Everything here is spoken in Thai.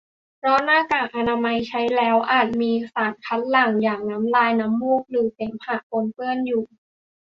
เพราะหน้ากากอนามัยใช้แล้วอาจมีสารคัดหลั่งอย่างน้ำลาย น้ำมูก หรือเสมหะปนเปื้อนอยู่